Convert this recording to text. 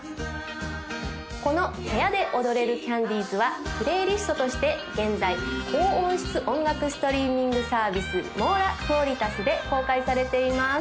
この部屋で踊れるキャンディーズはプレイリストとして現在高音質音楽ストリーミングサービスｍｏｒａｑｕａｌｉｔａｓで公開されています